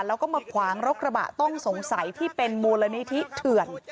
แล้วก็มาขวางรถกระบะต้องสงสัยที่เป็นมูลนิธิเถื่อน